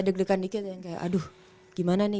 deg degan dikit yang kayak aduh gimana nih